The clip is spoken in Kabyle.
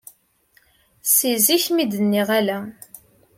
Si zik mi d-nniɣ ala.